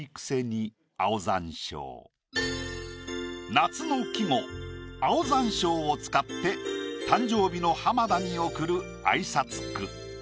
夏の季語青山椒を使って誕生日の浜田に送る挨拶句。